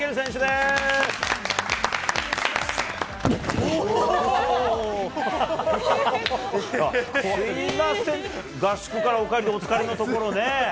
すみません、合宿からお帰りでお疲れのところね。